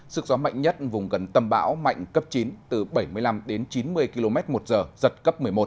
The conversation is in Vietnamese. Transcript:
sức gió mạnh nhất vùng gần tâm bão mạnh cấp chín từ bảy mươi năm đến chín mươi km một giờ giật cấp một mươi một